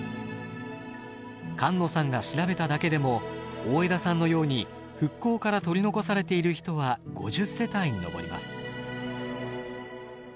菅野さんが調べただけでも大枝さんのように復興から取り残されている人は５０世帯に上ります。